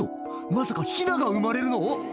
まさかヒナが生まれるの？